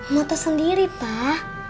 motor sendiri pak